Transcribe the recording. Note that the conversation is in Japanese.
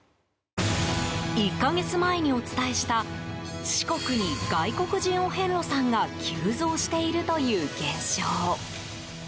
１か月前にお伝えした四国に外国人お遍路さんが急増しているという現象。